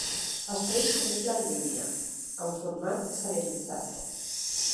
Està disponible en línia, en format serialitzat.